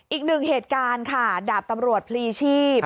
อีกหนึ่งเหตุการณ์ค่ะดาบตำรวจพลีชีพ